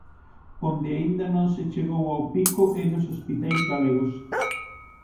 Onde aínda non se chegou ao pico é nos hospitais galegos.